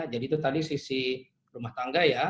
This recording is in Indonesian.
jadi itu tadi sisi rumah tangga ya